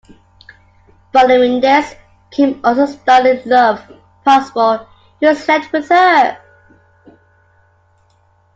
Following this, Kim also starred in "Love: Impossible", "Who Slept with Her?